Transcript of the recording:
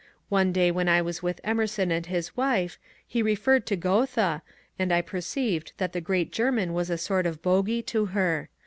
One day when I was with Emerson and his wife he referred to Goethe, and I perceived that the great Grerman was a sort of bogy to her.